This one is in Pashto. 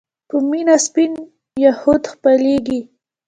په مينه سپين يهود خپلېږي